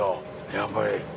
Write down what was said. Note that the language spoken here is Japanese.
やっぱり。